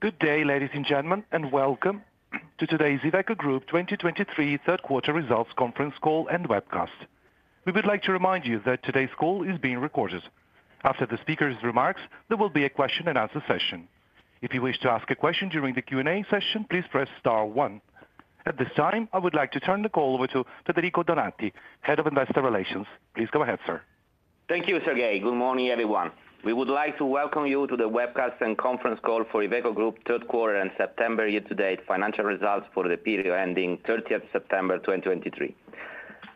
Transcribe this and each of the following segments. Good day, ladies and gentlemen, and welcome to today's Iveco Group 2023 Third Quarter Results Conference Call and Webcast. We would like to remind you that today's call is being recorded. After the speaker's remarks, there will be a question and answer session. If you wish to ask a question during the Q&A session, please press star one. At this time, I would like to turn the call over to Federico Donati, Head of Investor Relations. Please go ahead, sir. Thank you, Sergei. Good morning, everyone. We would like to welcome you to the webcast and conference call for Iveco Group third quarter and September year-to-date financial results for the period ending 30th September, 2023.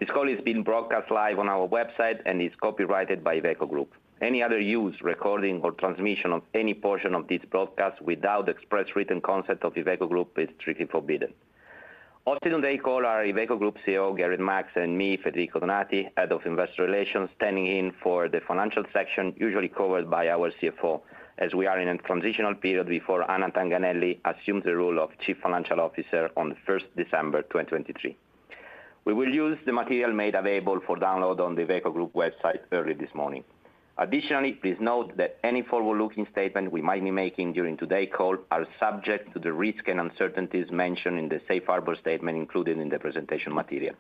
This call is being broadcast live on our website and is copyrighted by Iveco Group. Any other use, recording, or transmission of any portion of this broadcast without the express written consent of Iveco Group is strictly forbidden. Also on today's call are Iveco Group CEO, Gerrit Marx, and me, Federico Donati, Head of Investor Relations, standing in for the financial section, usually covered by our CFO, as we are in a transitional period before Anna Tanganelli assumes the role of Chief Financial Officer on 1st December, 2023. We will use the material made available for download on the Iveco Group website early this morning. Additionally, please note that any forward-looking statements we might be making during today's call are subject to the risks and uncertainties mentioned in the safe harbor statement included in the presentation material.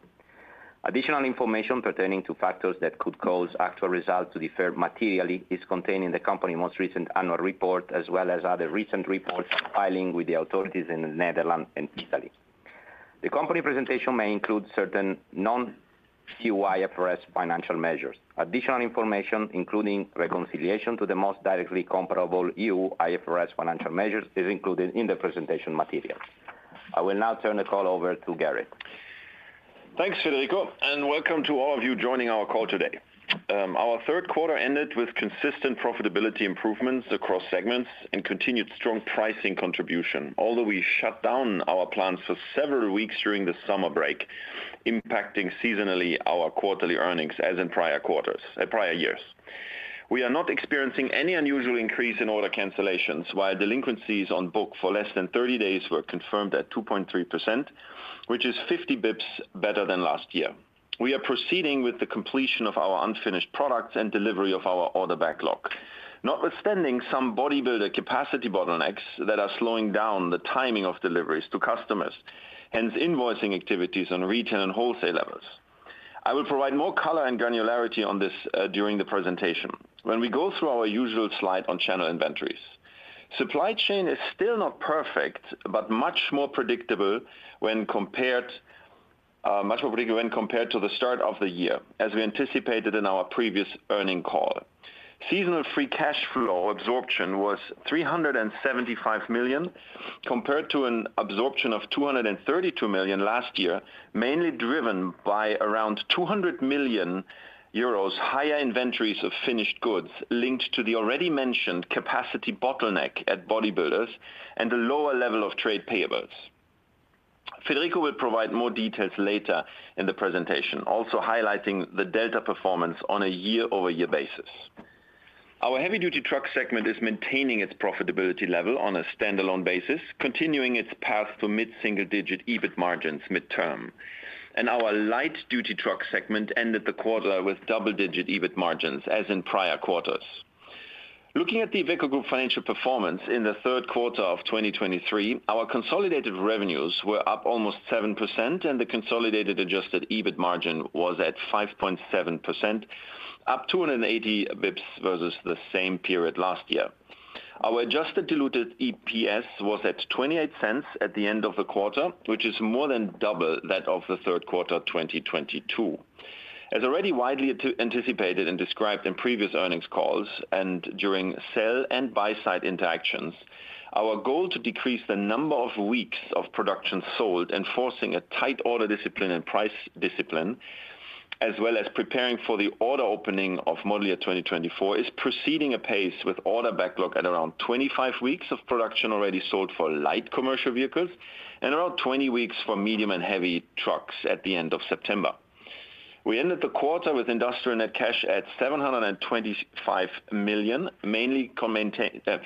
Additional information pertaining to factors that could cause actual results to differ materially is contained in the company's most recent annual report, as well as other recent reports filed with the authorities in the Netherlands and Italy. The company presentation may include certain non-IFRS financial measures. Additional information, including reconciliation to the most directly comparable EU IFRS financial measures, is included in the presentation materials. I will now turn the call over to Gerrit. Thanks, Federico, and welcome to all of you joining our call today. Our third quarter ended with consistent profitability improvements across segments and continued strong pricing contribution. Although we shut down our plants for several weeks during the summer break, impacting seasonally our quarterly earnings, as in prior quarters, prior years. We are not experiencing any unusual increase in order cancellations, while delinquencies on book for less than 30 days were confirmed at 2.3%, which is 50 basis points better than last year. We are proceeding with the completion of our unfinished products and delivery of our order backlog, notwithstanding some bodybuilder capacity bottlenecks that are slowing down the timing of deliveries to customers, hence invoicing activities on retail and wholesale levels. I will provide more color and granularity on this, during the presentation when we go through our usual slide on channel inventories. Supply chain is still not perfect, but much more predictable when compared much more predictable when compared to the start of the year, as we anticipated in our previous earnings call. Seasonal free cash flow absorption was 375 million, compared to an absorption of 232 million last year, mainly driven by around 200 million euros higher inventories of finished goods linked to the already mentioned capacity bottleneck at bodybuilders and a lower level of trade payables. Federico will provide more details later in the presentation, also highlighting the delta performance on a year-over-year basis. Our Heavy-Duty Truck segment is maintaining its profitability level on a standalone basis, continuing its path to mid-single-digit EBIT margins midterm. Our Light-Duty Truck segment ended the quarter with double-digit EBIT margins, as in prior quarters. Looking at the Iveco Group financial performance in the third quarter of 2023, our consolidated revenues were up almost 7%, and the consolidated adjusted EBIT margin was at 5.7%, up 280 basis points versus the same period last year. Our adjusted diluted EPS was at 0.28 at the end of the quarter, which is more than double that of the third quarter of 2022. As already widely anticipated and described in previous earnings calls and during sell and buy side interactions, our goal to decrease the number of weeks of production sold, enforcing a tight order discipline and price discipline, as well as preparing for the order opening of model year 2024, is proceeding apace with order backlog at around 25 weeks of production already sold for light commercial vehicles and around 20 weeks for medium and heavy trucks at the end of September. We ended the quarter with industrial net cash at 725 million, mainly,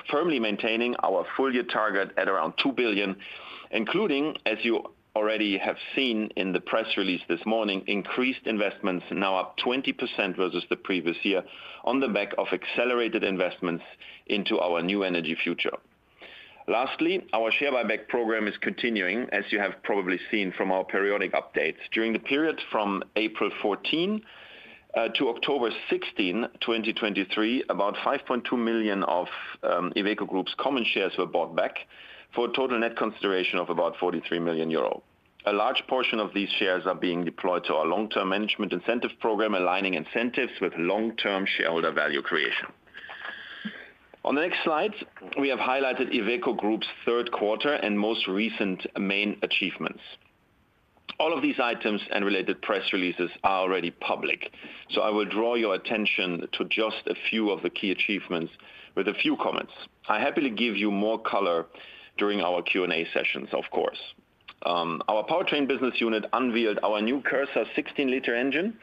firmly maintaining our full-year target at around 2 billion, including, as you already have seen in the press release this morning, increased investments now up 20% versus the previous year on the back of accelerated investments into our new energy future. Lastly, our share buyback program is continuing, as you have probably seen from our periodic updates. During the period from April 14 to October 16, 2023, about 5.2 million of Iveco Group's common shares were bought back for a total net consideration of about 43 million euro. A large portion of these shares are being deployed to our long-term management incentive program, aligning incentives with long-term shareholder value creation. On the next slide, we have highlighted Iveco Group's third quarter and most recent main achievements. All of these items and related press releases are already public, so I will draw your attention to just a few of the key achievements with a few comments. I happily give you more color during our Q&A sessions, of course. Our Powertrain business unit unveiled our new Cursor 16-liter engine,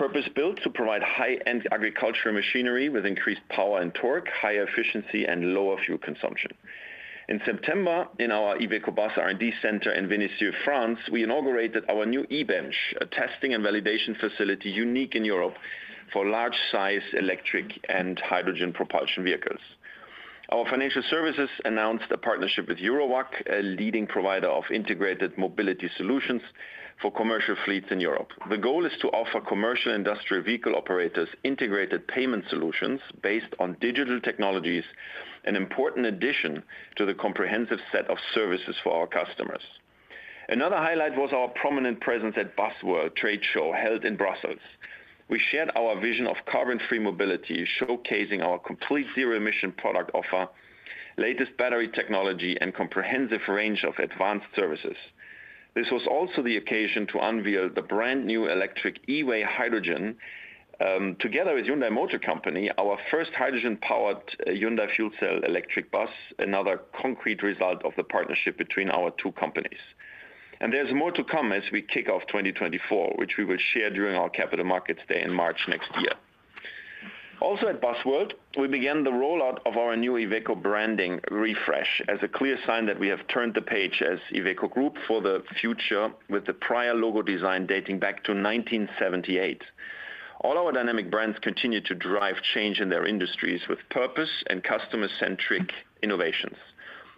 purpose-built to provide high-end agricultural machinery with increased power and torque, higher efficiency, and lower fuel consumption. In September, in our IVECO BUS R&D center in Vénissieux, France, we inaugurated our new E-Bench, a testing and validation facility unique in Europe for large-size electric and hydrogen propulsion vehicles. Our Financial Services announced a partnership with Eurowag, a leading provider of integrated mobility solutions for commercial fleets in Europe. The goal is to offer commercial industrial vehicle operators integrated payment solutions based on digital technologies, an important addition to the comprehensive set of services for our customers. Another highlight was our prominent presence at Busworld Trade Show, held in Brussels. We shared our vision of carbon-free mobility, showcasing our complete zero-emission product offer, latest battery technology, and comprehensive range of advanced services. This was also the occasion to unveil the brand-new electric E-WAY H2 together with Hyundai Motor Company, our first hydrogen-powered Hyundai fuel cell electric bus, another concrete result of the partnership between our two companies. And there's more to come as we kick off 2024, which we will share during our Capital Markets Day in March next year. Also, at Busworld, we began the rollout of our new IVECO Branding refresh as a clear sign that we have turned the page as Iveco Group for the future, with the prior logo design dating back to 1978. All our dynamic brands continue to drive change in their industries with purpose and customer-centric innovations.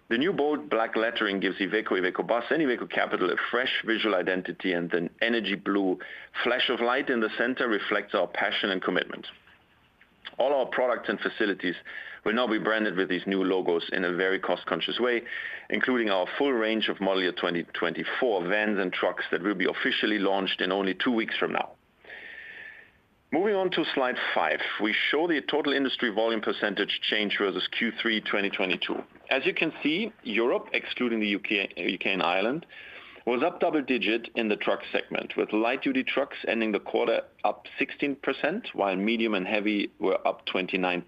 The new bold, black lettering gives IVECO, IVECO BUS, and IVECO CAPITAL a fresh visual identity, and an energy blue flash of light in the center reflects our passion and commitment. All our products and facilities will now be branded with these new logos in a very cost-conscious way, including our full range of model year 2024 vans and trucks that will be officially launched in only two weeks from now. Moving on to slide five, we show the total industry volume percentage change versus Q3 2022. As you can see, Europe, excluding the U.K., U.K., and Ireland, was up double digits in the Truck segment, with Light-Duty Trucks ending the quarter up 16%, while medium and heavy were up 29%.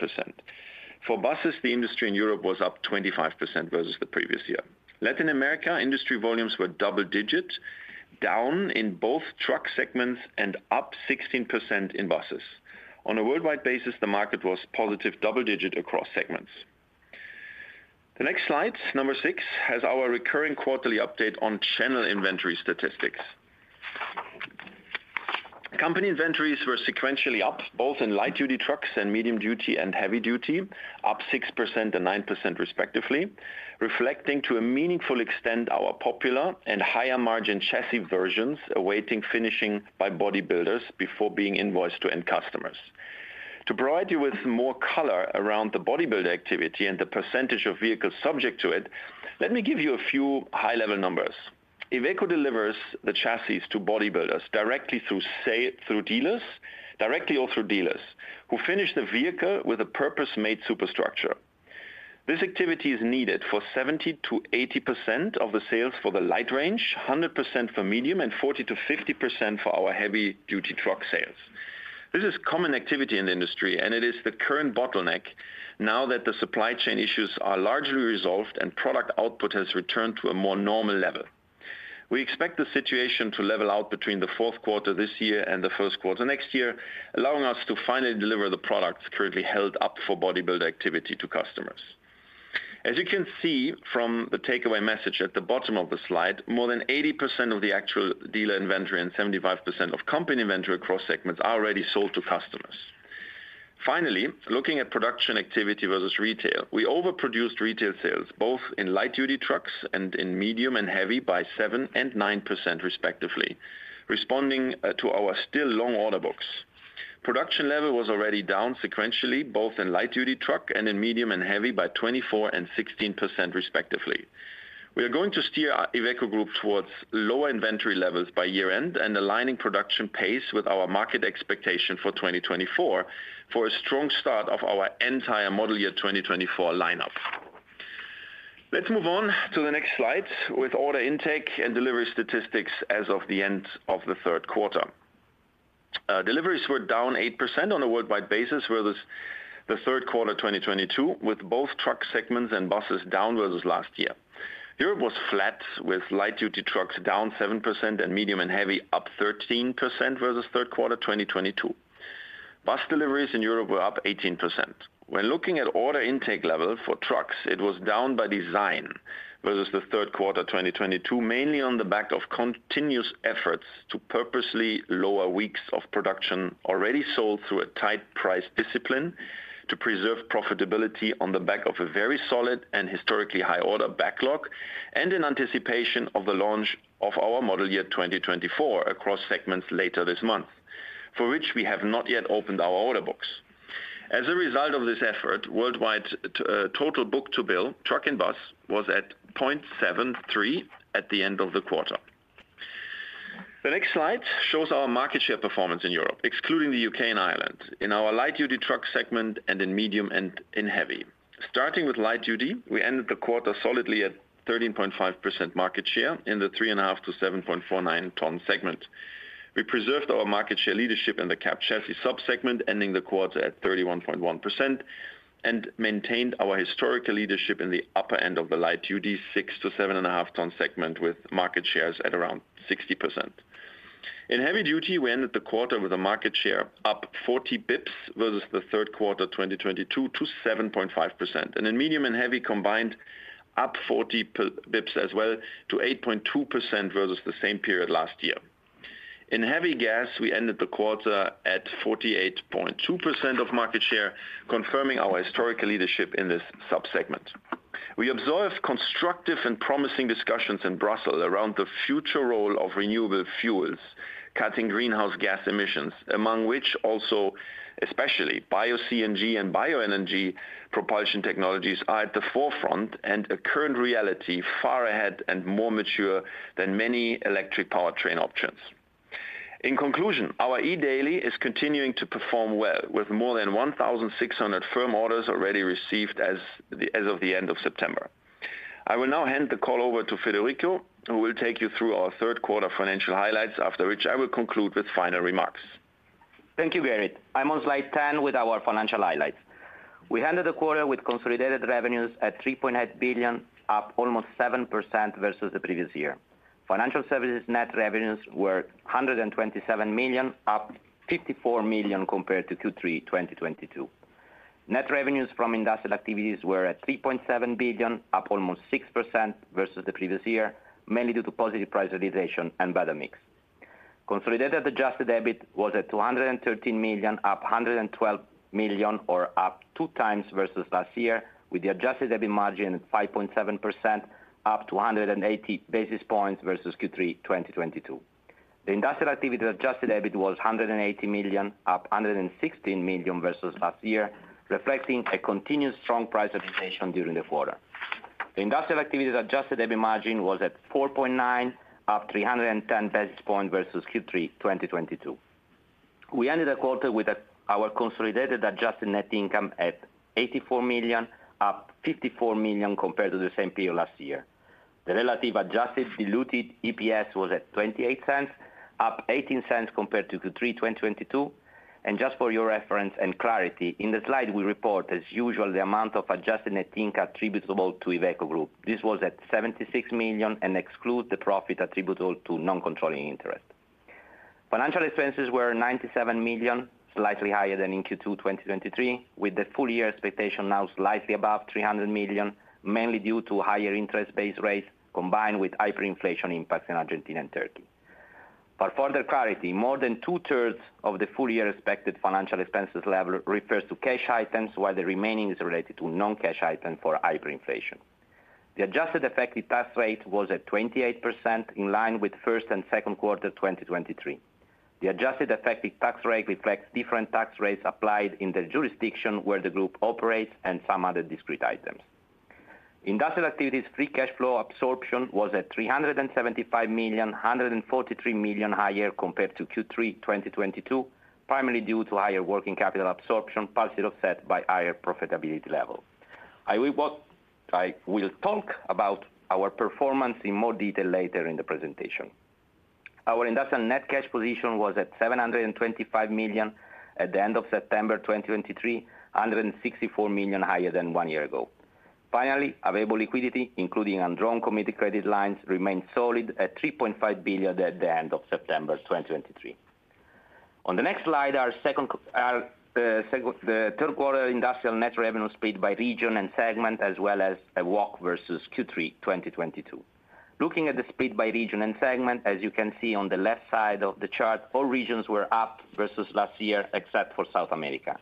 For Buses, the industry in Europe was up 25% versus the previous year. Latin America, industry volumes were double digits down in both Truck segments and up 16% in Buses. On a worldwide basis, the market was positive double digits across segments. The next slide, number six, has our recurring quarterly update on channel inventory statistics. Company inventories were sequentially up, both in Light-Duty Trucks and medium-duty and heavy-duty, up 6% and 9% respectively, reflecting to a meaningful extent our popular and higher-margin chassis versions, awaiting finishing by bodybuilders before being invoiced to end customers. To provide you with more color around the body build activity and the percentage of vehicles subject to it, let me give you a few high-level numbers. Iveco delivers the chassis to bodybuilders directly through sale, through dealers, directly or through dealers, who finish the vehicle with a purpose-made superstructure. This activity is needed for 70%-80% of the sales for the light range, 100% for medium, and 40%-50% for our Heavy-Duty Truck sales. This is common activity in the industry, and it is the current bottleneck now that the supply chain issues are largely resolved and product output has returned to a more normal level. We expect the situation to level out between the fourth quarter this year and the first quarter next year, allowing us to finally deliver the products currently held up for body build activity to customers. As you can see from the takeaway message at the bottom of the slide, more than 80% of the actual dealer inventory and 75% of company inventory across segments are already sold to customers. Finally, looking at production activity versus retail, we overproduced retail sales, both in Light-Duty Trucks and in medium and heavy by 7% and 9%, respectively, responding to our still long order books. Production level was already down sequentially, both in Light-Duty Truck and in medium and heavy by 24% and 16%, respectively. We are going to steer our Iveco Group towards lower inventory levels by year-end and aligning production pace with our market expectation for 2024, for a strong start of our entire model year 2024 lineup. Let's move on to the next slide with order intake and delivery statistics as of the end of the third quarter. Deliveries were down 8% on a worldwide basis, whereas the third quarter 2022, with both Truck segments and Buses down versus last year. Europe was flat, with Light-Duty Trucks down 7% and medium and heavy up 13% versus third quarter 2022. Bus deliveries in Europe were up 18%. When looking at order intake level for Trucks, it was down by design versus the third quarter 2022, mainly on the back of continuous efforts to purposely lower weeks of production already sold through a tight price discipline to preserve profitability on the back of a very solid and historically high order backlog, and in anticipation of the launch of our model year 2024 across segments later this month, for which we have not yet opened our order books. As a result of this effort, worldwide total book-to-bill, Truck and Bus, was at 0.73 at the end of the quarter. The next slide shows our market share performance in Europe, excluding the U.K. and Ireland, in our Light-Duty Truck segment and in medium and in heavy. Starting with light duty, we ended the quarter solidly at 13.5% market share in the 3.5-7.49 ton segment. We preserved our market share leadership in the cab chassis sub-segment, ending the quarter at 31.1%, and maintained our historical leadership in the upper end of the Light Duty, 6-7.5 ton segment, with market shares at around 60%. In Heavy Duty, we ended the quarter with a market share up 40 basis points versus the third quarter, 2022 to 7.5%, and in medium and heavy combined, up 40 basis points as well to 8.2% versus the same period last year. In heavy gas, we ended the quarter at 48.2% of market share, confirming our historical leadership in this sub-segment. We observed constructive and promising discussions in Brussels around the future role of renewable fuels, cutting greenhouse gas emissions, among which also, especially bio-CNG and bioenergy propulsion technologies, are at the forefront and a current reality far ahead and more mature than many electric powertrain options. In conclusion, our E-Daily is continuing to perform well, with more than 1,600 firm orders already received as of the end of September. I will now hand the call over to Federico, who will take you through our third quarter financial highlights, after which I will conclude with final remarks. Thank you, Gerrit. I'm on slide 10 with our financial highlights. We ended the quarter with consolidated revenues at 3.8 billion, up almost 7% versus the previous year. Financial services net revenues were 127 million, up 54 million compared to Q3 2022. Net revenues from industrial activities were at 3.7 billion, up almost 6% versus the previous year, mainly due to positive price realization and better mix. Consolidated adjusted EBIT was at 213 million, up 112 million, or up 2x versus last year, with the adjusted EBIT margin at 5.7%, up 280 basis points versus Q3 2022. The industrial activity adjusted EBIT was 180 million, up 116 million versus last year, reflecting a continued strong price realization during the quarter. The industrial activity Adjusted EBIT margin was at 4.9%, up 310 basis points versus Q3 2022. We ended the quarter with our consolidated adjusted net income at 84 million, up 54 million compared to the same period last year. The relative adjusted diluted EPS was at 0.28, up 0.18 compared to Q3 2022. Just for your reference and clarity, in the slide we report, as usual, the amount of adjusted net income attributable to Iveco Group. This was at 76 million and excludes the profit attributable to non-controlling interest. Financial expenses were 97 million, slightly higher than in Q2 2023, with the full year expectation now slightly above 300 million, mainly due to higher interest base rates, combined with hyperinflation impacts in Argentina and Turkey. For further clarity, more than two-thirds of the full year expected financial expenses level refers to cash items, while the remaining is related to non-cash items for hyperinflation. The adjusted effective tax rate was at 28%, in line with first and second quarter, 2023. The adjusted effective tax rate reflects different tax rates applied in the jurisdiction where the group operates and some other discrete items. Industrial activities free cash flow absorption was at 375 million, 143 million higher compared to Q3, 2022, primarily due to higher working capital absorption, partially offset by higher profitability levels. I will talk about our performance in more detail later in the presentation. Our industrial net cash position was at 725 million at the end of September 2023, 164 million higher than one year ago. Finally, available liquidity, including undrawn committed credit lines, remained solid at 3.5 billion at the end of September 2023. On the next slide, our segment, the third quarter industrial net revenue split by region and segment, as well as a walk versus Q3 2022. Looking at the split by region and segment, as you can see on the left side of the chart, all regions were up versus last year, except for South America.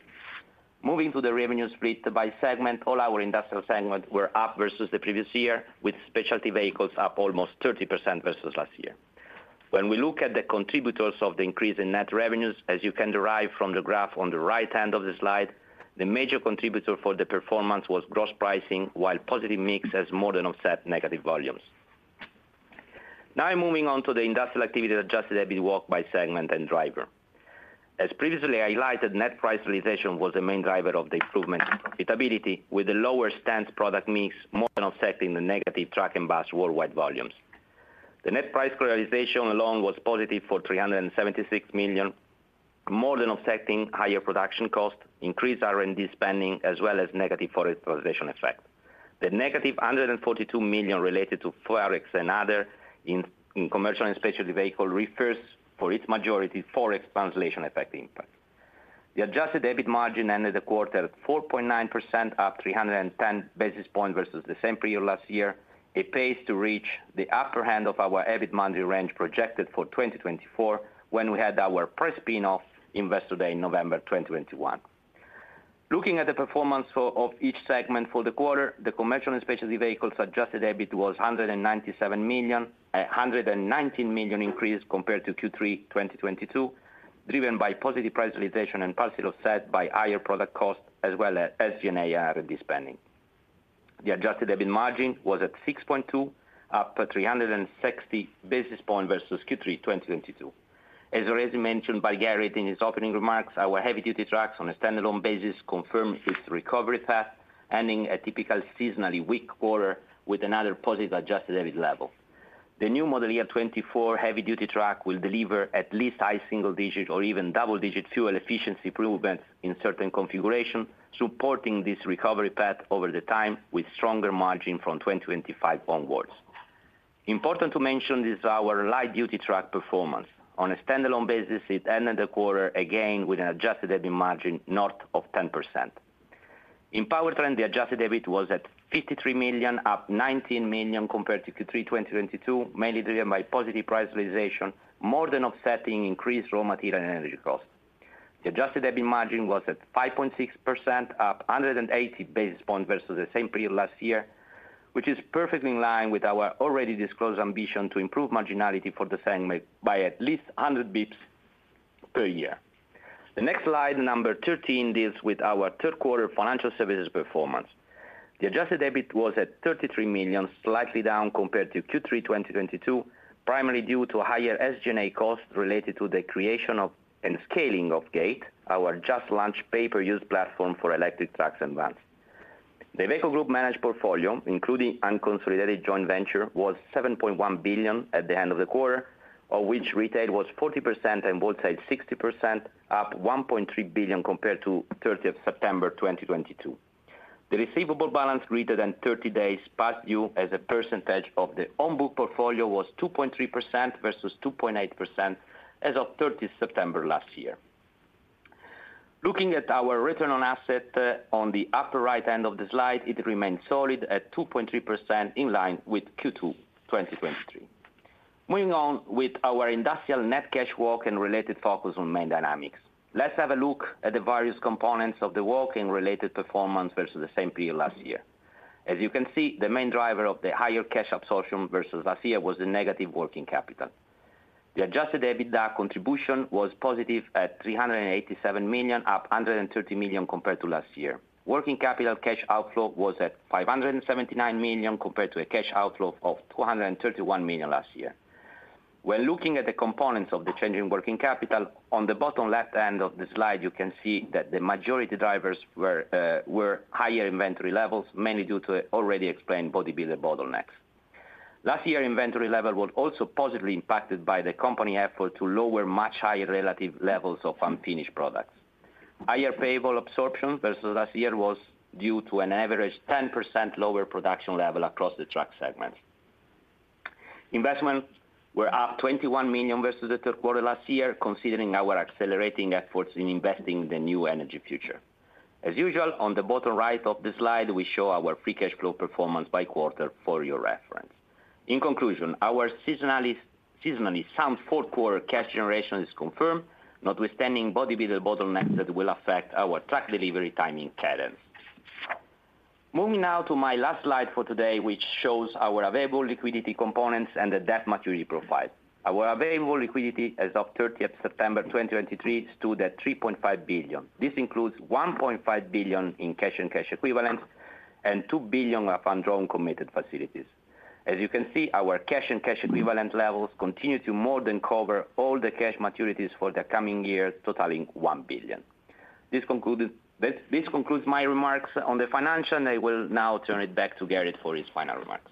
Moving to the revenue split by segment, all our industrial segments were up versus the previous year, with specialty vehicles up almost 30% versus last year. When we look at the contributors of the increase in net revenues, as you can derive from the graph on the right-hand side of the slide, the major contributor for the performance was gross pricing, while positive mix has more than offset negative volumes. Now, moving on to the industrial activity Adjusted EBIT walk by segment and driver. As previously highlighted, net price realization was the main driver of the improvement in profitability, with a favorable product mix more than offsetting the negative Truck and Bus worldwide volumes. The net price realization alone was positive for 376 million, more than offsetting higher production costs, increased R&D spending, as well as negative Forex realization effect. The -142 million related to Forex and other in commercial and specialty vehicle refers, for its majority, Forex translation effect impact. The adjusted EBIT margin ended the quarter at 4.9%, up 310 basis points versus the same period last year. A pace to reach the upper hand of our EBIT margin range projected for 2024, when we had our first spin-off Investor Day in November 2021. Looking at the performance for each segment for the quarter, the commercial and specialty vehicles adjusted EBIT was 197 million, a 119 million increase compared to Q3 2022, driven by positive price realization and partially offset by higher product costs, as well as SG&A R&D spending. The adjusted EBIT margin was at 6.2, up by 360 basis points versus Q3 2022. As already mentioned by Gerrit in his opening remarks, our Heavy-Duty Trucks on a standalone basis confirmed its recovery path, ending a typical seasonally weak quarter with another positive adjusted EBIT level. The new model year 2024 Heavy-Duty Truck will deliver at least high single digit or even double-digit fuel efficiency improvements in certain configurations, supporting this recovery path over the time, with stronger margin from 2025 onwards. Important to mention is our Light-Duty Truck performance. On a standalone basis, it ended the quarter again with an adjusted EBIT margin north of 10%. In Powertrain, the adjusted EBIT was at 53 million, up 19 million compared to Q3 2022, mainly driven by positive price realization, more than offsetting increased raw material and energy costs. The adjusted EBIT margin was at 5.6%, up 180 basis points versus the same period last year, which is perfectly in line with our already disclosed ambition to improve marginality for the segment by at least 100 bips per year. The next slide, number 13, deals with our third quarter Financial Services performance. The adjusted EBIT was at 33 million, slightly down compared to Q3 2022, primarily due to higher SG&A costs related to the creation of and scaling of GATE, our just-launched pay-per-use platform for electric trucks and vans. The Iveco Group managed portfolio, including unconsolidated joint venture, was 7.1 billion at the end of the quarter, of which retail was 40% and wholesale 60%, up 1.3 billion compared to 30 September 2022. The receivable balance greater than 30 days past due as a percentage of the on-book portfolio was 2.3% versus 2.8% as of 30th September last year. Looking at our return on asset, on the upper right end of the slide, it remains solid at 2.3%, in line with Q2 2023. Moving on with our industrial net cash walk and related focus on main dynamics. Let's have a look at the various components of the walk and related performance versus the same period last year. As you can see, the main driver of the higher cash absorption versus last year was the negative working capital. The Adjusted EBITDA contribution was positive at 387 million, up 130 million compared to last year. Working capital cash outflow was at 579 million, compared to a cash outflow of 231 million last year. When looking at the components of the change in working capital, on the bottom left end of the slide, you can see that the majority drivers were were higher inventory levels, mainly due to the already explained bodybuilder bottlenecks. Last year, inventory level was also positively impacted by the company effort to lower much higher relative levels of unfinished products. Higher payable absorption versus last year was due to an average 10% lower production level across the Truck segment. Investment were up 21 million versus the third quarter last year, considering our accelerating efforts in investing in the new energy future. As usual, on the bottom right of the slide, we show our free cash flow performance by quarter for your reference. In conclusion, our seasonally sound fourth quarter cash generation is confirmed, notwithstanding bodybuilder bottlenecks that will affect our truck delivery timing cadence. Moving now to my last slide for today, which shows our available liquidity components and the debt maturity profile. Our available liquidity as of thirtieth September 2023 stood at 3.5 billion. This includes 1.5 billion in cash and cash equivalents, and 2 billion of undrawn committed facilities. As you can see, our cash and cash equivalent levels continue to more than cover all the cash maturities for the coming year, totaling 1 billion. This concludes my remarks on the financial, and I will now turn it back to Gerrit for his final remarks.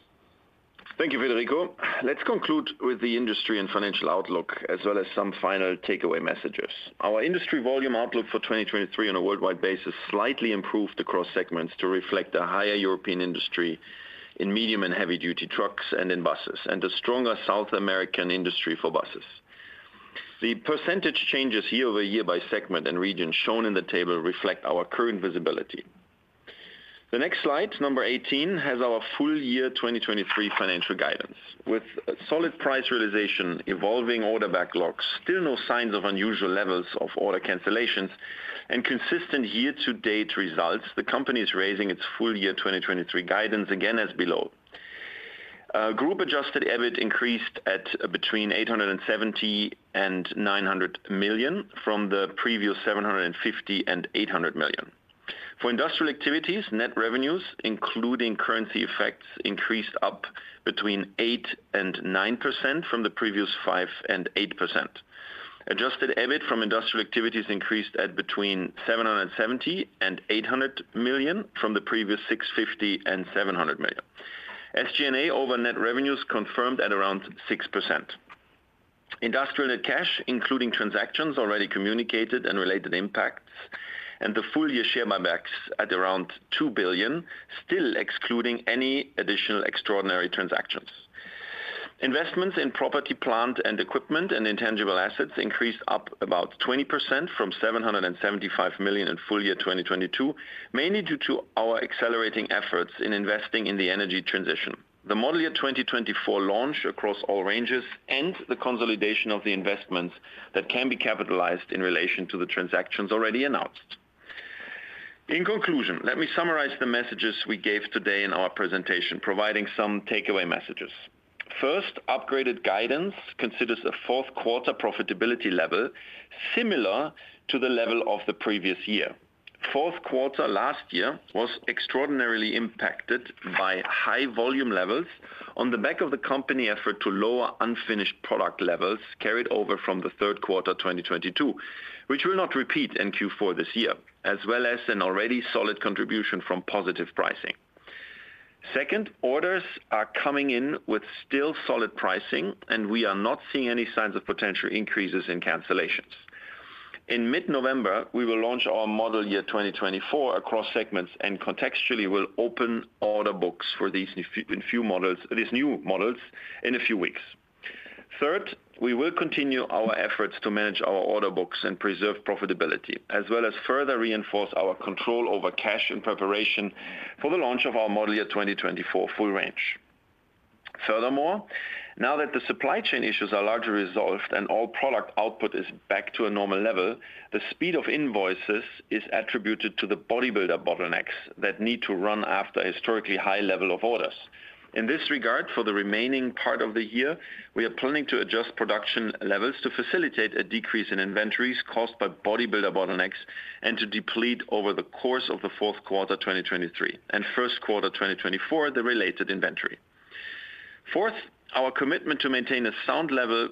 Thank you, Federico. Let's conclude with the industry and financial outlook, as well as some final takeaway messages. Our industry volume outlook for 2023 on a worldwide basis slightly improved across segments to reflect the higher European industry in medium and Heavy-Duty Trucks and in Buses, and a stronger South American industry for Buses. The percentage changes year-over-year by segment and region shown in the table reflect our current visibility. The next slide, number 18, has our full year 2023 financial guidance. With solid price realization, evolving order backlogs, still no signs of unusual levels of order cancellations, and consistent year-to-date results, the company is raising its full year 2023 guidance again, as below. Group adjusted EBIT increased at between 870 million and 900 million from the previous 750 million and 800 million. For industrial activities, net revenues, including currency effects, increased up between 8% and 9% from the previous 5%-8%. Adjusted EBIT from industrial activities increased at between 770 million and 800 million from the previous 650 million-700 million. SG&A over net revenues confirmed at around 6%. Industrial net cash, including transactions already communicated and related impacts, and the full year share buybacks at around 2 billion, still excluding any additional extraordinary transactions. Investments in property, plant, and equipment and intangible assets increased up about 20% from 775 million in full year 2022, mainly due to our accelerating efforts in investing in the energy transition. The model year 2024 launch across all ranges, and the consolidation of the investments that can be capitalized in relation to the transactions already announced. In conclusion, let me summarize the messages we gave today in our presentation, providing some takeaway messages. First, upgraded guidance considers the fourth quarter profitability level similar to the level of the previous year. Fourth quarter last year was extraordinarily impacted by high volume levels on the back of the company effort to lower unfinished product levels carried over from the third quarter 2022, which will not repeat in Q4 this year, as well as an already solid contribution from positive pricing. Second, orders are coming in with still solid pricing, and we are not seeing any signs of potential increases in cancellations. In mid-November, we will launch our model year 2024 across segments, and contextually, we'll open order books for these new models in a few weeks. Third, we will continue our efforts to manage our order books and preserve profitability, as well as further reinforce our control over cash in preparation for the launch of our model year 2024 full range. Furthermore, now that the supply chain issues are largely resolved and all product output is back to a normal level, the speed of invoices is attributed to the bodybuilder bottlenecks that need to run after historically high level of orders. In this regard, for the remaining part of the year, we are planning to adjust production levels to facilitate a decrease in inventories caused by bodybuilder bottlenecks, and to deplete over the course of the fourth quarter, 2023 and first quarter, 2024, the related inventory. Fourth, our commitment to maintain a sound level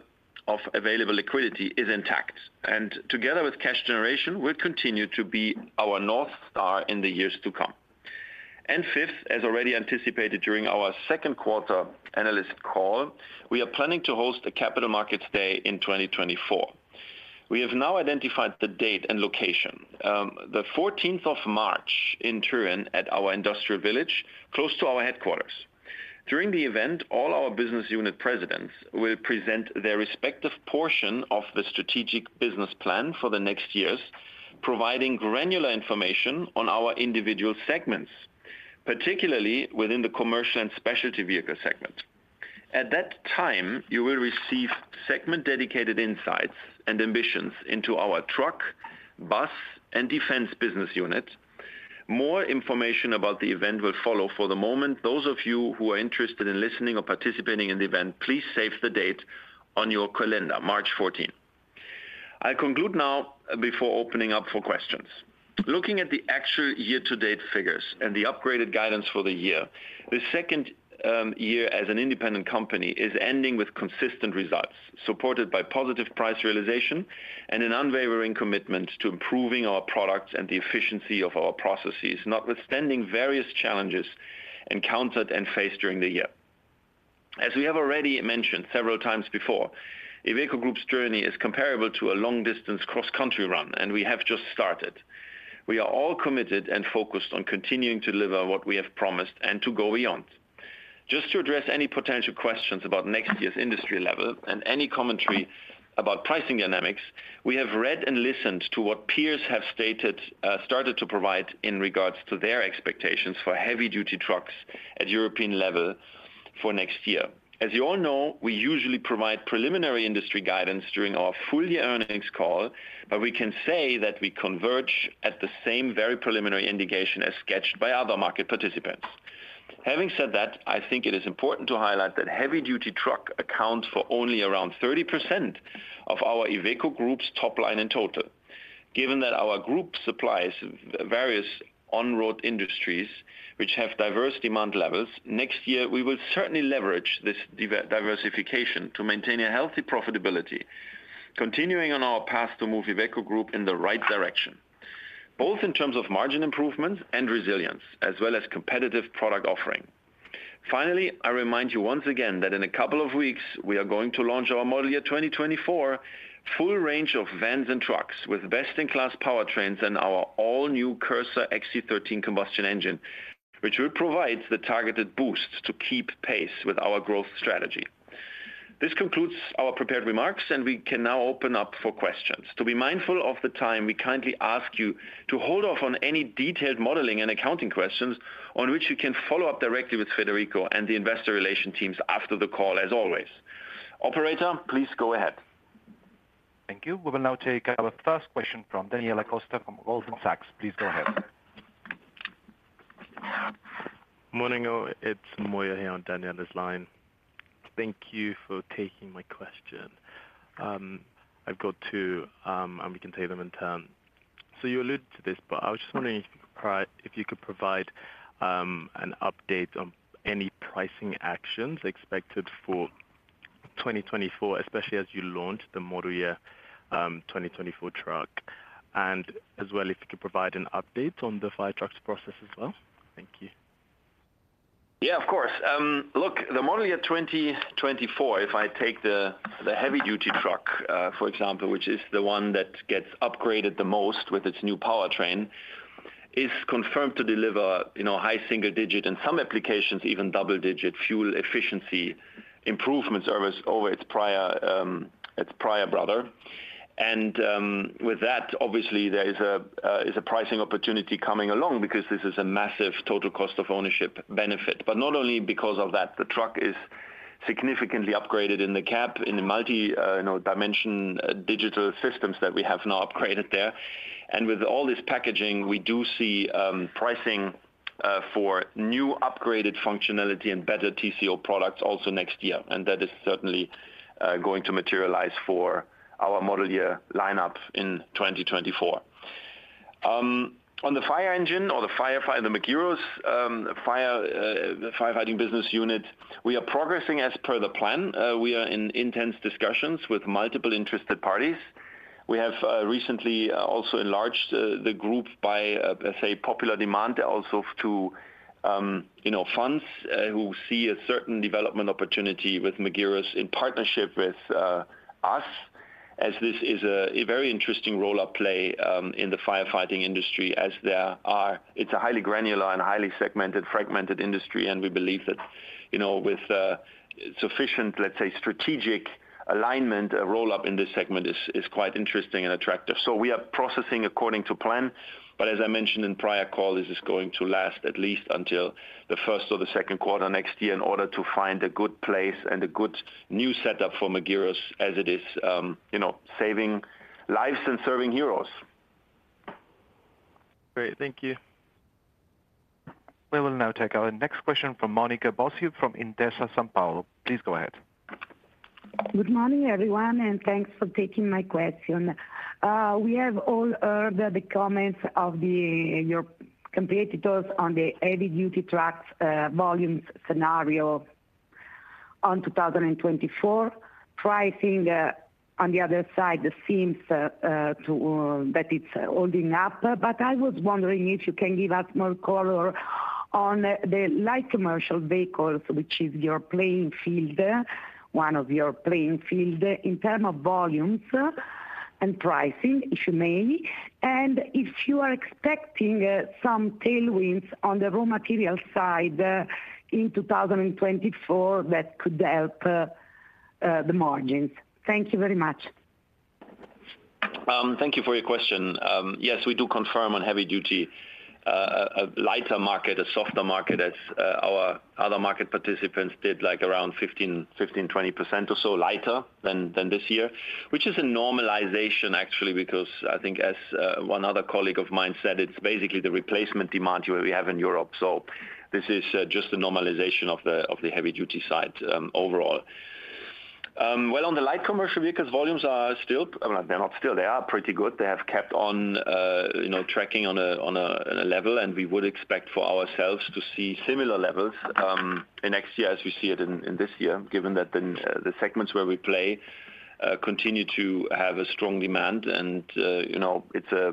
of available liquidity is intact, and together with cash generation, will continue to be our North Star in the years to come. Fifth, as already anticipated during our second quarter analyst call, we are planning to host a Capital Markets Day in 2024. We have now identified the date and location, the fourteenth of March in Turin, at our industrial village, close to our headquarters. During the event, all our business unit presidents will present their respective portion of the strategic business plan for the next years, providing granular information on our individual segments, particularly within the commercial and specialty vehicle segment. At that time, you will receive segment-dedicated insights and ambitions into our Truck, Bus, and Defence business unit. More information about the event will follow. For the moment, those of you who are interested in listening or participating in the event, please save the date on your calendar, March fourteenth. I conclude now before opening up for questions. Looking at the actual year-to-date figures and the upgraded guidance for the year, the second year as an independent company is ending with consistent results, supported by positive price realization and an unwavering commitment to improving our products and the efficiency of our processes, notwithstanding various challenges encountered and faced during the year. As we have already mentioned several times before, Iveco Group's journey is comparable to a long-distance cross-country run, and we have just started. We are all committed and focused on continuing to deliver what we have promised and to go beyond. Just to address any potential questions about next year's industry level and any commentary about pricing dynamics, we have read and listened to what peers have stated, started to provide in regards to their expectations for Heavy-Duty Trucks at European level for next year. As you all know, we usually provide preliminary industry guidance during our full year earnings call, but we can say that we converge at the same very preliminary indication as sketched by other market participants. Having said that, I think it is important to highlight that Heavy-Duty Truck accounts for only around 30% of our Iveco Group's top line in total. Given that our group supplies various on-road industries, which have diverse demand levels, next year, we will certainly leverage this diversification to maintain a healthy profitability, continuing on our path to move Iveco Group in the right direction, both in terms of margin improvement and resilience, as well as competitive product offering. Finally, I remind you once again that in a couple of weeks, we are going to launch our model year 2024 full range of vans and trucks, with best-in-class powertrains and our all-new Cursor XC 13 combustion engine, which will provide the targeted boost to keep pace with our growth strategy. This concludes our prepared remarks, and we can now open up for questions. To be mindful of the time, we kindly ask you to hold off on any detailed modeling and accounting questions on which you can follow up directly with Federico and the investor relations teams after the call, as always. Operator, please go ahead. Thank you. We will now take our first question from Daniela Costa from Goldman Sachs. Please go ahead. Morning, it's Moya here on Daniela's line. Thank you for taking my question. I've got two, and we can take them in turn. So you alluded to this, but I was just wondering if you could provide an update on any pricing actions expected for 2024, especially as you launch the model year 2024 truck. And as well, if you could provide an update on the fire trucks process as well. Thank you. Yeah, of course. Look, the model year 2024, if I take the Heavy-Duty Truck for example, which is the one that gets upgraded the most with its new powertrain, is confirmed to deliver, you know, high single-digit, and some applications, even double-digit fuel efficiency improvement service over its prior brother. With that, obviously, there is a pricing opportunity coming along because this is a massive total cost of ownership benefit. But not only because of that, the truck is significantly upgraded in the cab, in the multi, you know, dimension digital systems that we have now upgraded there. And with all this packaging, we do see pricing for new upgraded functionality and better TCO products also next year, and that is certainly going to materialize for our model year lineup in 2024. On the fire engine or the firefighter, the Magirus fire, the firefighting business unit, we are progressing as per the plan. We are in intense discussions with multiple interested parties. We have recently also enlarged the group by, let's say, popular demand, also to you know, funds who see a certain development opportunity with Magirus in partnership with us. As this is a very interesting roll-up in the firefighting industry as there are, it's a highly granular and highly segmented, fragmented industry, and we believe that, you know, with sufficient, let's say, strategic alignment, a roll-up in this segment is quite interesting and attractive. So we are proceeding according to plan. But as I mentioned in prior call, this is going to last at least until the first or the second quarter next year in order to find a good place and a good new setup for Magirus as it is, you know, saving lives and serving heroes. Great, thank you. We will now take our next question from Monica Bosio from Intesa Sanpaolo. Please go ahead. Good morning, everyone, and thanks for taking my question. We have all heard the comments of the your competitors on the Heavy-Duty Trucks volumes scenario on 2024. Pricing on the other side seems that it's holding up. But I was wondering if you can give us more color on the light commercial vehicles, which is your playing field, one of your playing field, in terms of volumes and pricing, if you may. And if you are expecting some tailwinds on the raw material side in 2024, that could help the margins. Thank you very much. Thank you for your question. Yes, we do confirm on heavy duty, a lighter market, a softer market as our other market participants did, like, around 15%-20% or so lighter than this year. Which is a normalization, actually, because I think as one other colleague of mine said, it's basically the replacement demand we have in Europe. So this is just a normalization of the heavy duty side, overall. Well, on the light commercial vehicles, volumes are still... They're not still, they are pretty good. They have kept on, you know, tracking on a level, and we would expect for ourselves to see similar levels in next year as we see it in this year, given that the segments where we play continue to have a strong demand. And, you know, it's a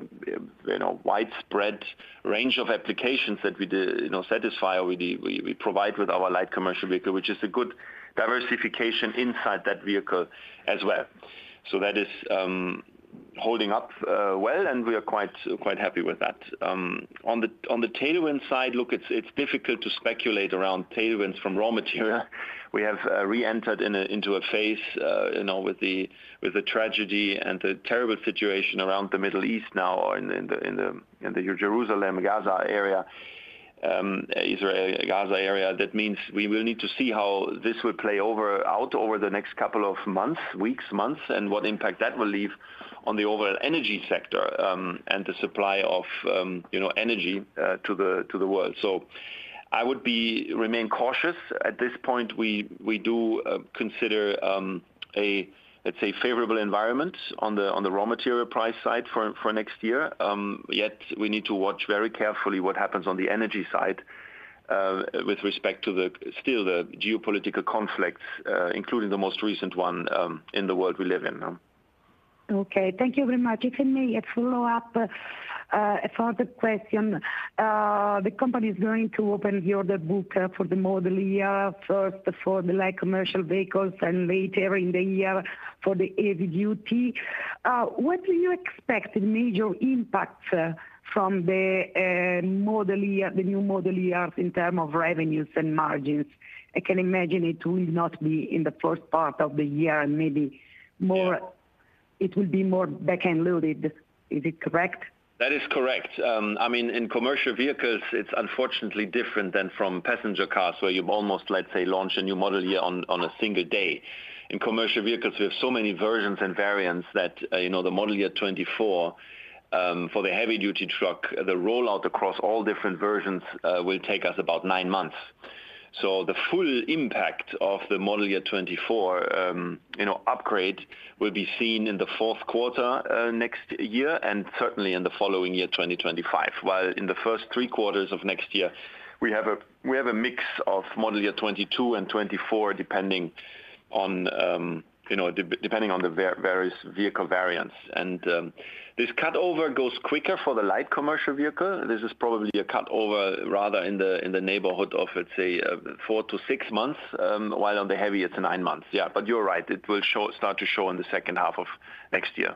widespread range of applications that we do, you know, satisfy or we provide with our light commercial vehicle, which is a good diversification inside that vehicle as well. So that is holding up well, and we are quite happy with that. On the tailwind side, look, it's difficult to speculate around tailwinds from raw material. We have reentered into a phase, you know, with the tragedy and the terrible situation around the Middle East now or in the Jerusalem, Gaza area, Israel, Gaza area. That means we will need to see how this will play out over the next couple of months, weeks, months, and what impact that will leave on the overall energy sector and the supply of you know, energy to the world. So I would remain cautious. At this point, we do consider let's say, a favorable environment on the raw material price side for next year. Yet, we need to watch very carefully what happens on the energy side, with respect to the still the geopolitical conflicts, including the most recent one, in the world we live in now. Okay, thank you very much. Let me ask a follow-up for the question. The company is going to open the order book for the model year, first for the light commercial vehicles and later in the year for the heavy-duty. What do you expect major impacts from the model year, the new model years in terms of revenues and margins? I can imagine it will not be in the first part of the year and maybe more- Yeah. It will be more back-end loaded. Is it correct? That is correct. I mean, in commercial vehicles, it's unfortunately different than from passenger cars, where you've almost, let's say, launched a new model year on a single day. In commercial vehicles, we have so many versions and variants that, you know, the model year 2024, for the Heavy-Duty Truck, the rollout across all different versions, will take us about 9 months. So the full impact of the model year 2024, you know, upgrade will be seen in the fourth quarter, next year, and certainly in the following year, 2025. While in the first three quarters of next year, we have a mix of model year 2022 and 2024, depending on, you know, depending on the various vehicle variants. This cutover goes quicker for the light commercial vehicle. This is probably a cutover rather in the neighborhood of, let's say, 4-6 months, while on the heavy, it's nine months. Yeah, but you're right, it will show, start to show in the second half of next year.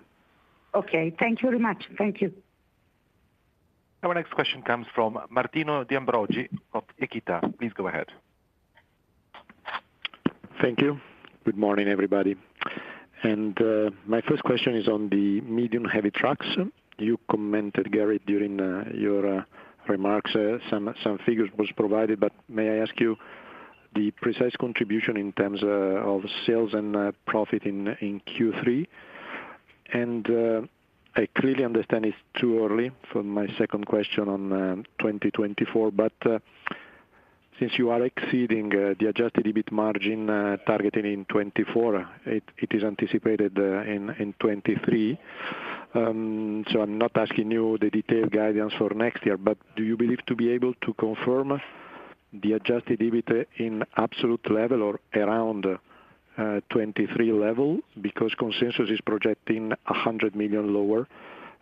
Okay, thank you very much. Thank you. Our next question comes from Martino De Ambroggi of Equita. Please go ahead. Thank you. Good morning, everybody. My first question is on the medium heavy trucks. You commented, Gerrit, during your remarks, some figures was provided, but may I ask you the precise contribution in terms of sales and profit in Q3? I clearly understand it's too early for my second question on 2024, but since you are exceeding the adjusted EBIT margin targeting in 2024, it is anticipated in 2023. So I'm not asking you the detailed guidance for next year, but do you believe to be able to confirm the adjusted EBIT in absolute level or around 2023 level? Because consensus is projecting 100 million lower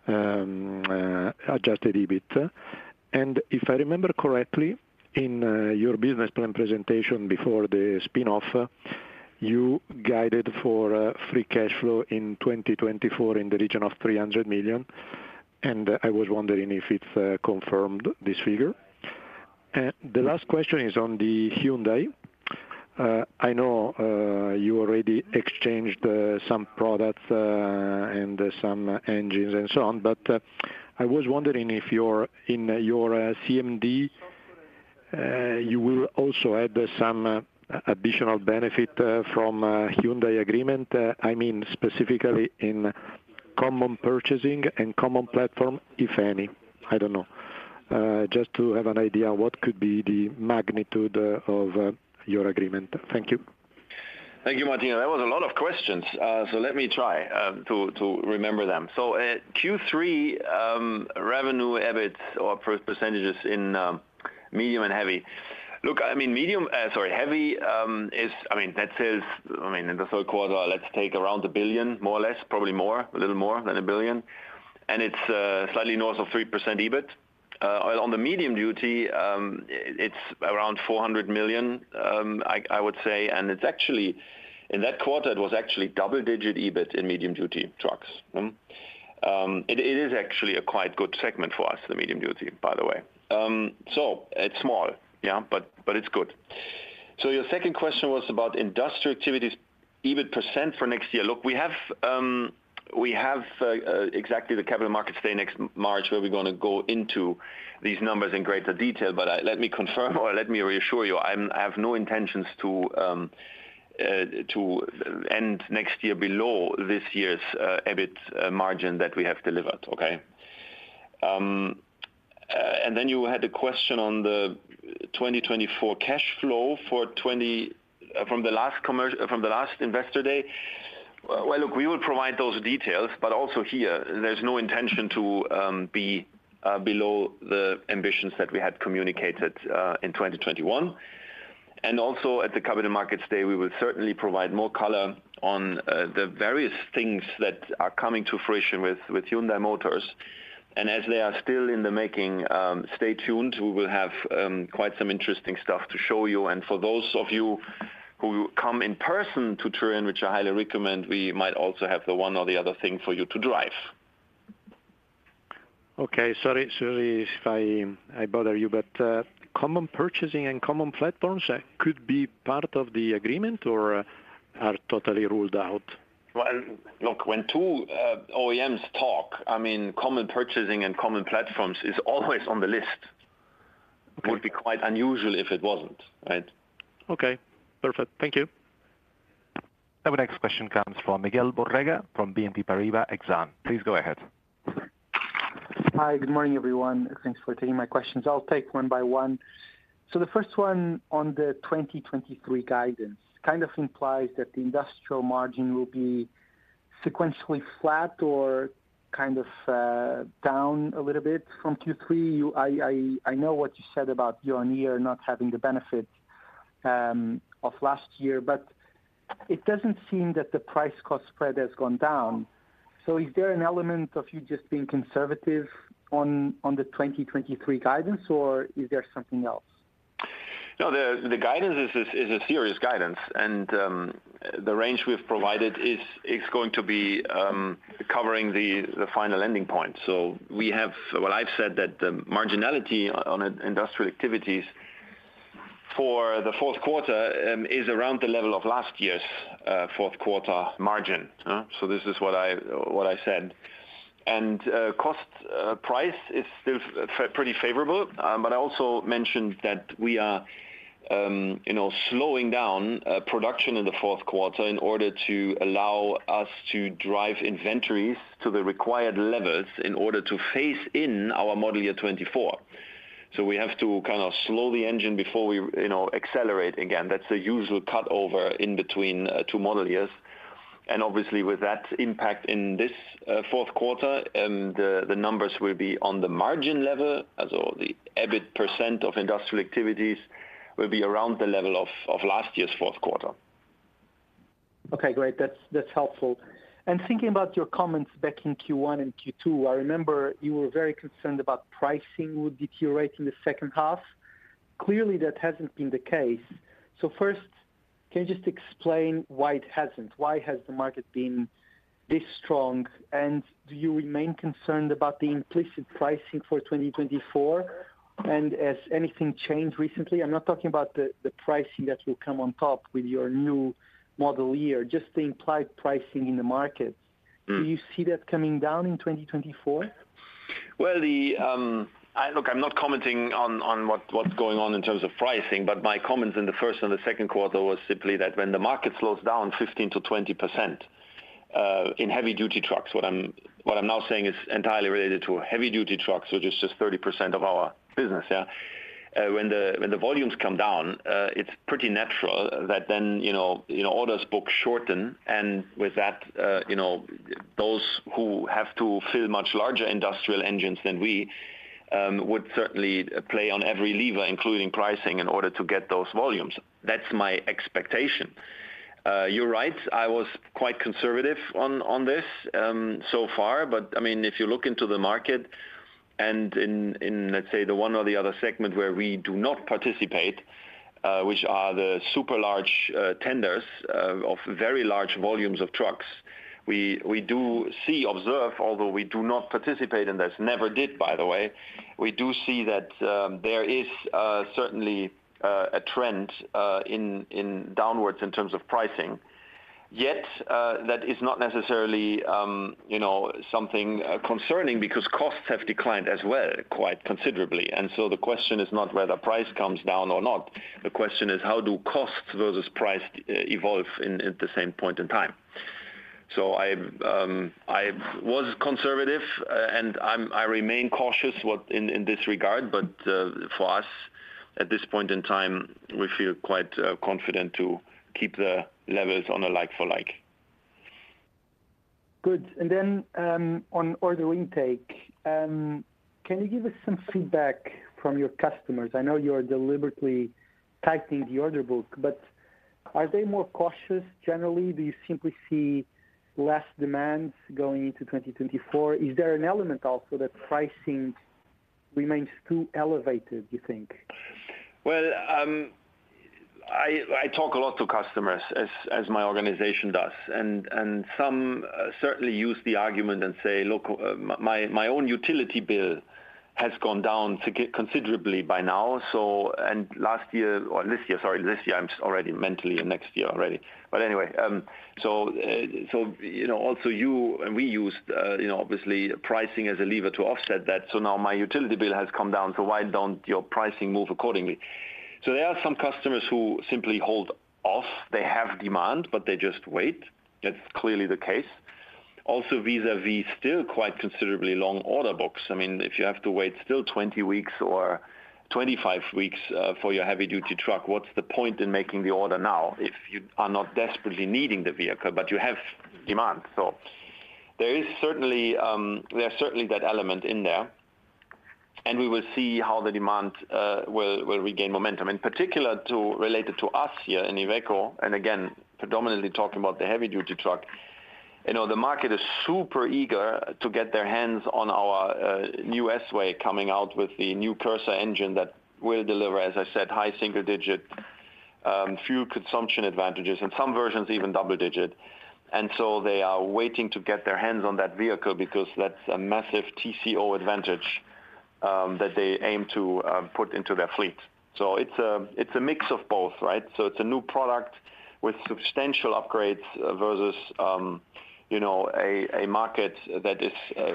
Adjusted EBIT. If I remember correctly, in your business plan presentation before the spin-off, you guided for free cash flow in 2024 in the region of 300 million, and I was wondering if it confirmed this figure. The last question is on the Hyundai. I know you already exchanged some products and some engines and so on, but I was wondering if in your CMD you will also add some additional benefit from Hyundai agreement. I mean, specifically in common purchasing and common platform, if any, I don't know. Just to have an idea what could be the magnitude of your agreement. Thank you. Thank you, Martino. That was a lot of questions, so let me try to remember them. So, Q3 revenue, EBIT or percentages in medium and heavy. Look, I mean, medium, sorry, heavy, is - I mean, that sales, I mean, in the third quarter, let's take around 1 billion, more or less, probably more, a little more than 1 billion, and it's slightly north of 3% EBIT. On the medium duty, it's around 400 million, I would say, and it's actually... In that quarter, it was actually double-digit EBIT in Medium-Duty Trucks. It is actually a quite good segment for us, the medium duty, by the way. So it's small, yeah, but it's good. So your second question was about industrial activities, EBIT % for next year. Look, we have exactly the Capital Markets Day next March, where we're gonna go into these numbers in greater detail, but let me confirm or let me reassure you, I have no intentions to end next year below this year's EBIT margin that we have delivered. Okay? And then you had a question on the 2024 cash flow for 2024 from the last investor day. Well, look, we will provide those details, but also here, there's no intention to be below the ambitions that we had communicated in 2021. And also, at the Capital Markets Day, we will certainly provide more color on the various things that are coming to fruition with Hyundai Motors. And as they are still in the making, stay tuned. We will have, quite some interesting stuff to show you. And for those of you who come in person to Turin, which I highly recommend, we might also have the one or the other thing for you to drive. Okay. Sorry, sorry if I bother you, but common purchasing and common platforms could be part of the agreement or are totally ruled out? Well, look, when two OEMs talk, I mean, common purchasing and common platforms is always on the list. Okay. Would be quite unusual if it wasn't, right? Okay, perfect. Thank you. Our next question comes from Miguel Borrega from BNP Paribas Exane. Please go ahead. Hi, good morning, everyone. Thanks for taking my questions. I'll take one by one. So the first one on the 2023 guidance, kind of implies that the industrial margin will be sequentially flat or kind of down a little bit from Q3. I know what you said about year-on-year not having the benefit of last year, but it doesn't seem that the price-cost spread has gone down. So is there an element of you just being conservative on the 2023 guidance, or is there something else? No, the guidance is a serious guidance, and the range we've provided is going to be covering the final ending point. So we have—Well, I've said that the marginality on industrial activities for the fourth quarter is around the level of last year's fourth quarter margin, so this is what I said. And cost price is still pretty favorable, but I also mentioned that we are, you know, slowing down production in the fourth quarter in order to allow us to drive inventories to the required levels in order to phase in our model year 2024. So we have to kind of slow the engine before we, you know, accelerate again. That's the usual cutover in between two model years. Obviously, with that impact in this fourth quarter, the numbers will be on the margin level, as all the EBIT percent of industrial activities will be around the level of last year's fourth quarter. Okay, great. That's, that's helpful. And thinking about your comments back in Q1 and Q2, I remember you were very concerned about pricing would deteriorate in the second half. Clearly, that hasn't been the case. So first, can you just explain why it hasn't? Why has the market been this strong, and do you remain concerned about the implicit pricing for 2024? And has anything changed recently? I'm not talking about the, the pricing that will come on top with your new model year, just the implied pricing in the market. Mm. Do you see that coming down in 2024? Well, the, Look, I'm not commenting on, on what, what's going on in terms of pricing, but my comments in the first and the second quarter was simply that when the market slows down 15%-20%, in Heavy-Duty Trucks, what I'm, what I'm now saying is entirely related to Heavy-Duty Trucks, which is just 30% of our business, yeah. You're right, I was quite conservative on, on this, so far. But, I mean, if you look into the market and in, in, let's say, the one or the other segment where we do not participate, which are the super large tenders of very large volumes of trucks, we, we do see, observe, although we do not participate in this, never did, by the way, we do see that there is certainly a trend in, in downwards in terms of pricing. Yet, that is not necessarily, you know, something concerning because costs have declined as well, quite considerably. And so the question is not whether price comes down or not. The question is: how do costs versus price evolve in at the same point in time? So I was conservative, and I remain cautious in this regard, but, for us, at this point in time, we feel quite confident to keep the levels on a like for like. Good. And then, on order intake, can you give us some feedback from your customers? I know you are deliberately tightening the order book, but are they more cautious generally? Do you simply see less demands going into 2024? Is there an element also that pricing remains too elevated, you think? Well, I talk a lot to customers, as my organization does, and some certainly use the argument and say: "Look, my own utility bill has gone down considerably by now," so and last year, or this year, sorry, this year, I'm already mentally in next year already. But anyway, so, you know, also you, and we used, you know, obviously, pricing as a lever to offset that. So now my utility bill has come down, so why don't your pricing move accordingly? So there are some customers who simply hold off. They have demand, but they just wait. That's clearly the case. Also, vis-a-vis, still quite considerably long order books. I mean, if you have to wait still 20 weeks or 25 weeks for your Heavy-Duty Truck, what's the point in making the order now if you are not desperately needing the vehicle, but you have demand? So there is certainly there are certainly that element in there, and we will see how the demand will regain momentum. In particular, related to us here in Iveco, and again, predominantly talking about the Heavy-Duty Truck, you know, the market is super eager to get their hands on our new S-Way coming out with the new Cursor engine that will deliver, as I said, high single-digit fuel consumption advantages, and some versions, even double-digit. And so they are waiting to get their hands on that vehicle because that's a massive TCO advantage that they aim to put into their fleet. So it's a mix of both, right? So it's a new product with substantial upgrades versus, you know, a market that is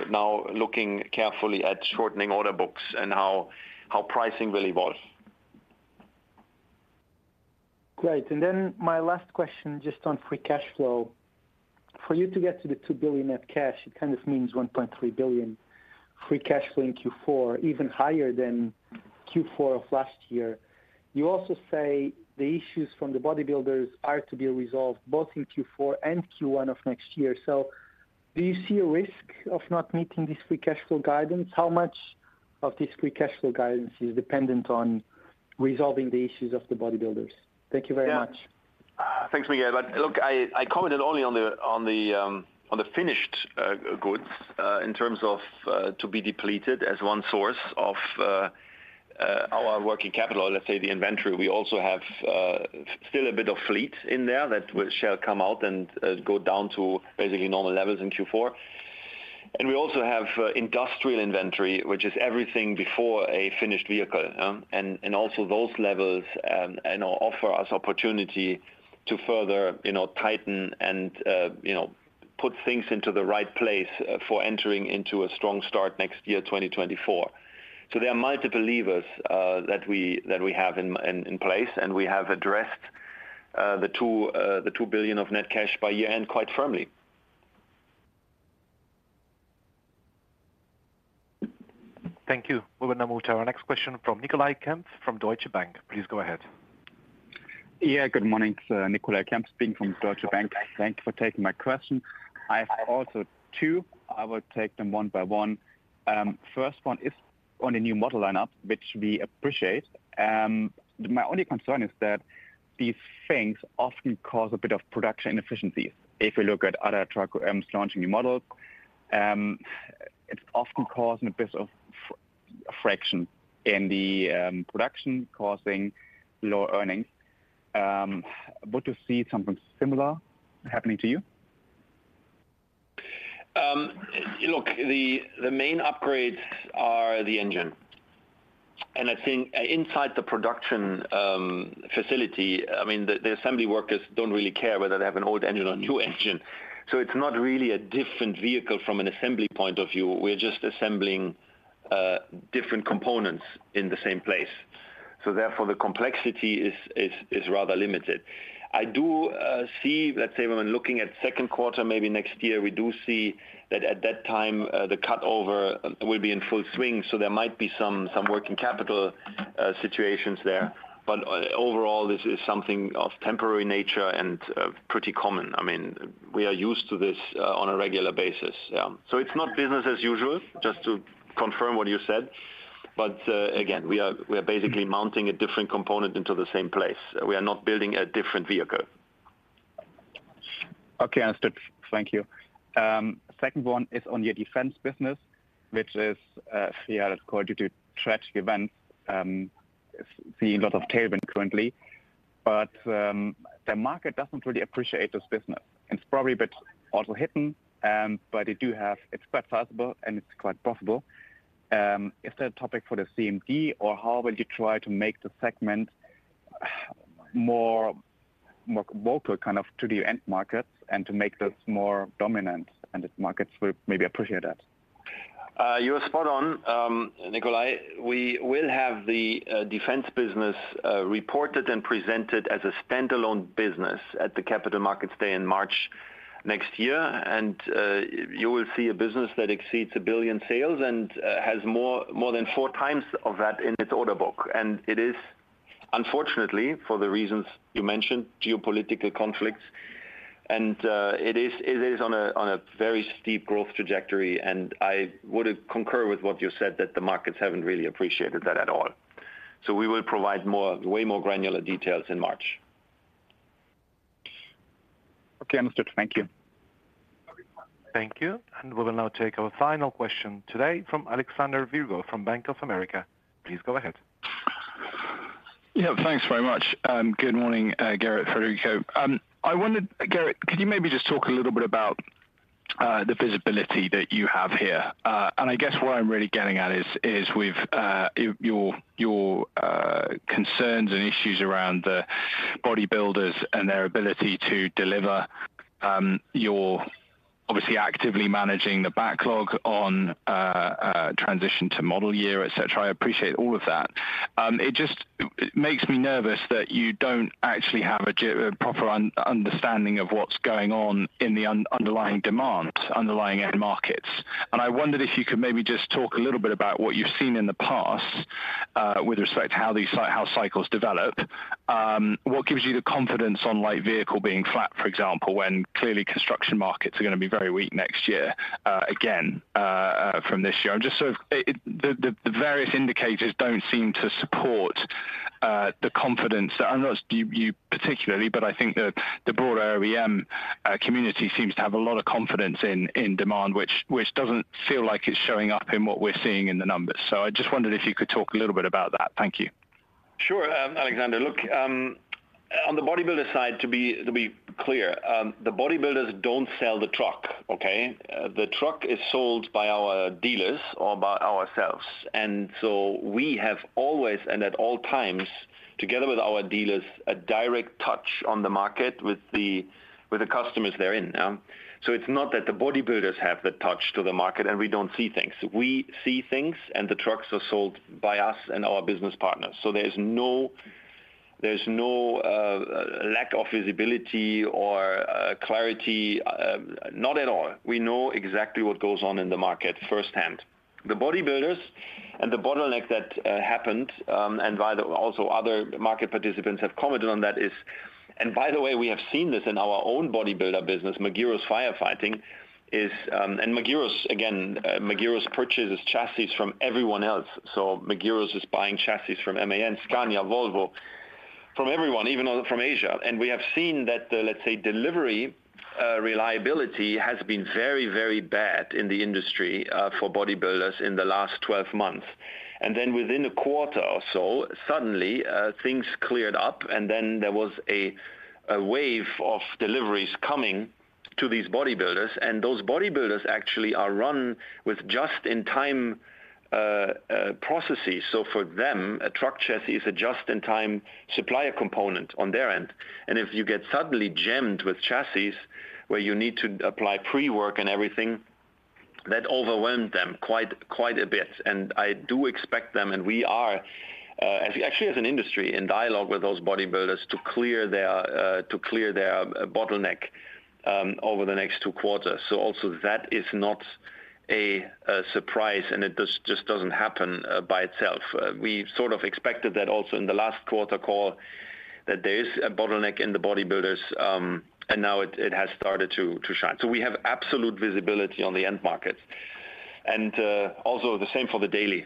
now looking carefully at shortening order books and how pricing really was. Great. And then my last question, just on free cash flow. For you to get to the 2 billion net cash, it kind of means 1.3 billion free cash flow in Q4, even higher than Q4 of last year. You also say the issues from the bodybuilders are to be resolved both in Q4 and Q1 of next year. So do you see a risk of not meeting this free cash flow guidance? How much of this free cash flow guidance is dependent on resolving the issues of the bodybuilders? Thank you very much. Yeah. Thanks, Miguel. But look, I commented only on the finished goods in terms of to be depleted as one source of our working capital, or let's say, the inventory. We also have still a bit of fleet in there that shall come out and go down to, basically, normal levels in Q4. And we also have industrial inventory, which is everything before a finished vehicle, and also those levels, you know, offer us opportunity to further, you know, tighten and, you know, put things into the right place, for entering into a strong start next year, 2024. So there are multiple levers that we have in place, and we have addressed the 2 billion of net cash by year-end quite firmly. Thank you. We will now move to our next question from Nikolai Kempf from Deutsche Bank. Please go ahead. Yeah, good morning, Nicolai Kempf, speaking from Deutsche Bank. Thank you for taking my question. I have also two. I will take them one by one. First one is on the new model lineup, which we appreciate. My only concern is that these things often cause a bit of production inefficiencies. If you look at other truck launching new models, it's often causing a bit of friction in the production, causing lower earnings. Would you see something similar happening to you? Look, the main upgrades are the engine. And I think, inside the production facility, I mean, the assembly workers don't really care whether they have an old engine or a new engine. So it's not really a different vehicle from an assembly point of view. We're just assembling different components in the same place. So therefore, the complexity is rather limited. I do see, let's say when we're looking at second quarter, maybe next year, we do see that at that time, the cut over will be in full swing, so there might be some working capital situations there. But overall, this is something of temporary nature and pretty common. I mean, we are used to this on a regular basis, yeah. So it's not business as usual, just to confirm what you said. But, again, we are basically mounting a different component into the same place. We are not building a different vehicle. Okay, understood. Thank you. Second one is on your Defence business, which is IDV, due to tragic events, is seeing a lot of tailwind currently. But the market doesn't really appreciate this business, and it's probably a bit under the hood, but it's quite sizable, and it's quite profitable. Is that a topic for the CMD, or how will you try to make the segment more vocal, kind of, to the end markets and to make this more dominant, and the markets will maybe appreciate that? You are spot on, Nikolai. We will have the Defence business reported and presented as a standalone business at the Capital Markets Day in March next year. You will see a business that exceeds 1 billion sales and has more than 4x of that in its order book. It is, unfortunately, for the reasons you mentioned, geopolitical conflicts, and it is on a very steep growth trajectory, and I would concur with what you said, that the markets haven't really appreciated that at all. So we will provide more, way more granular details in March. Okay, understood. Thank you. Thank you, and we will now take our final question today from Alexander Virgo from Bank of America. Please go ahead. Yeah, thanks very much, good morning, Gerrit, Federico. I wondered, Gerrit, could you maybe just talk a little bit about the visibility that you have here? And I guess what I'm really getting at is, with your concerns and issues around the body builders and their ability to deliver, you're obviously actively managing the backlog on a transition to model year, et cetera. I appreciate all of that. It just makes me nervous that you don't actually have a proper understanding of what's going on in the underlying demand, underlying end markets. I wondered if you could maybe just talk a little bit about what you've seen in the past, with respect to how these cycles develop. What gives you the confidence on light vehicle being flat, for example, when clearly construction markets are gonna be very weak next year, again, from this year? I'm just sort of, the various indicators don't seem to support the confidence. And not you, you particularly, but I think the broader OEM community seems to have a lot of confidence in demand, which doesn't feel like it's showing up in what we're seeing in the numbers. So I just wondered if you could talk a little bit about that. Thank you. Sure, Alexander. Look, on the bodybuilder side, to be clear, the bodybuilders don't sell the truck, okay? The truck is sold by our dealers or by ourselves, and so we have always, and at all times, together with our dealers, a direct touch on the market with the customers they're in. So it's not that the bodybuilders have the touch to the market, and we don't see things. We see things, and the trucks are sold by us and our business partners. So there's no lack of visibility or clarity, not at all. We know exactly what goes on in the market firsthand. The bodybuilders and the bottleneck that happened, and also other market participants have commented on that is... And by the way, we have seen this in our own bodybuilder business, Magirus firefighting, and Magirus. Again, Magirus purchases chassis from everyone else. So Magirus is buying chassis from MAN, Scania, Volvo, from everyone, even from Asia. And we have seen that the, let's say, delivery reliability has been very, very bad in the industry for bodybuilders in the last 12 months. And then within a quarter or so, suddenly, things cleared up, and then there was a wave of deliveries coming to these bodybuilders. And those bodybuilders actually are run with just-in-time processes. So for them, a truck chassis is a just-in-time supplier component on their end. And if you get suddenly jammed with chassis, where you need to apply pre-work and everything, that overwhelmed them quite, quite a bit. I do expect them, and we are actually, as an industry, in dialogue with those bodybuilders to clear their bottleneck over the next two quarters. So also that is not a surprise, and it just doesn't happen by itself. We sort of expected that also in the last quarter call, that there is a bottleneck in the bodybuilders, and now it has started to shine. So we have absolute visibility on the end market. Also the same for the daily.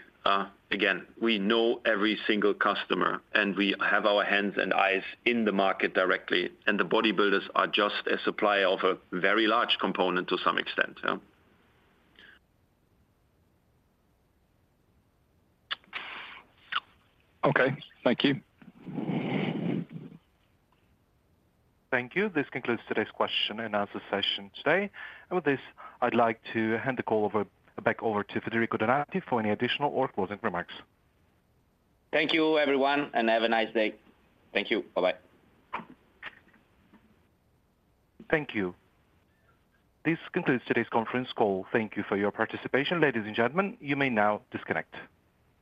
Again, we know every single customer, and we have our hands and eyes in the market directly, and the bodybuilders are just a supplier of a very large component to some extent, yeah. Okay, thank you. Thank you. This concludes today's question-and-answer session today. With this, I'd like to hand the call over, back over to Federico Donati for any additional or closing remarks. Thank you, everyone, and have a nice day. Thank you. Bye-bye. Thank you. This concludes today's conference call. Thank you for your participation. Ladies and gentlemen, you may now disconnect.